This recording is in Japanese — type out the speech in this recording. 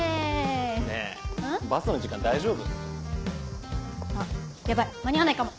ねぇバスの時間大丈夫？あっヤバい間に合わないかも。